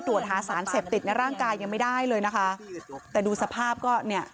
ตรวจหาสารเสพติดในร่างกายยังไม่ได้เลยนะคะแต่ดูสภาพก็เนี่ย